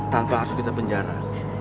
tanpa harus kita penjara